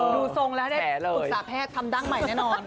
ดูทรงแล้วเนี่ยอุตส่าห์แพทย์ทำดั้งใหม่แน่นอน